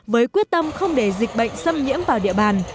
với quyết tâm không để dịch bệnh xâm nhiễm vào địa bàn